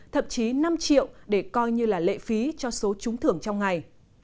thậm chí năm triệu để coi như là lệ phí cho số trúng thưởng trong ngày